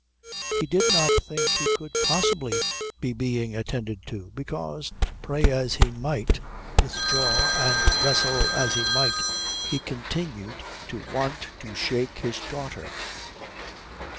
He did not think he could possibly be being attended to, because, pray as he might, withdraw and wrestle as he might, he continued to want to shake his daughter.